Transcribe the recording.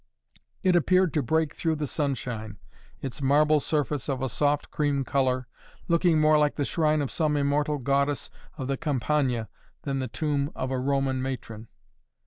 It appeared to break through the sunshine, its marble surface of a soft cream color, looking more like the shrine of some immortal goddess of the Campagna than the tomb of a Roman matron.